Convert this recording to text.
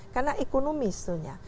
karena ekonomi istilahnya